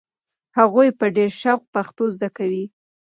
هغوی په ډېر شوق پښتو زده کوي.